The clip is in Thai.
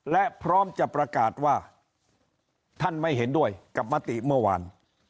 และพร้อมจะประกาศว่าท่านไม่เห็นด้วยกับมติเมื่อวาน